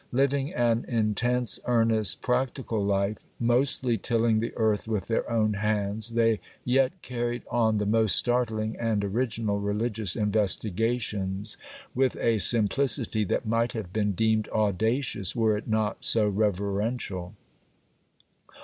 Living an intense, earnest, practical life, mostly tilling the earth with their own hands, they yet carried on the most startling and original religious investigations with a simplicity that might have been deemed audacious, were it not so reverential.